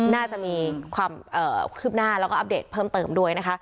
น่าจะมีความคืบหน้าแล้วก็อัปเดตเพิ่มเติมด้วยนะคะ